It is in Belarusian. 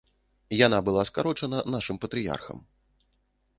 Яна была скарочана нашым патрыярхам.